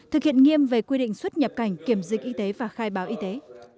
thực hiện nghiêm về quy định xuất nhập cảnh kiểm dịch y tế và khai báo y tế